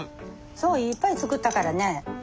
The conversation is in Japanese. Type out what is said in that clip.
そういっぱい作ったからね。